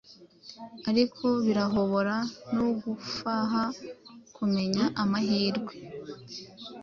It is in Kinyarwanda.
ariko birahobora no kugufaha kumenya amahirwe